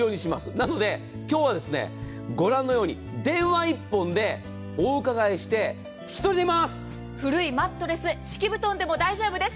なので今日はご覧のように電話１本でお伺いして古いマットレス、敷き布団でも大丈夫です。